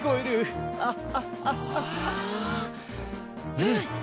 うん！